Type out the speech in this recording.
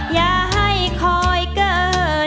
อย่าให้คอยเกิน